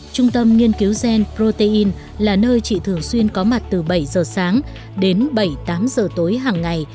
trung tâm nghiên cứu gen protein là nơi chị thường xuyên có mặt từ bảy giờ sáng đến bảy tám giờ tối hàng ngày